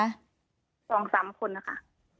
๒๓คนนะคะ